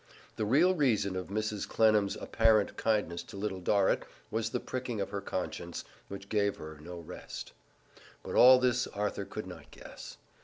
The real reason of Mrs. Clennam's apparent kindness to Little Dorrit was the pricking of her conscience, which gave her no rest. But all this Arthur could not guess.